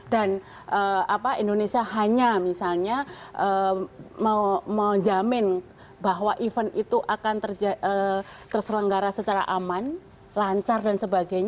dan indonesia hanya misalnya menjamin bahwa event itu akan terselenggara secara aman lancar dan sebagainya